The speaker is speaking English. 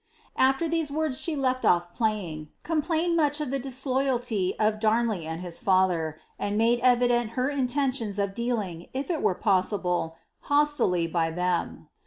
'" Afler these words she lell off playing, complained much of the di» BLISABBTH. 175 loralty of Darnley and his father, and made evident her intentions of dealing* if ii were possible, hostilely by them.